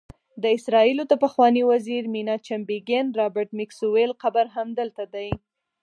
د اسرائیلو د پخواني وزیر میناچم بیګین، رابرټ میکسویل قبر هم دلته دی.